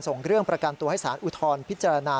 ส่งเรื่องประกันตัวให้สารอุทธรณ์พิจารณา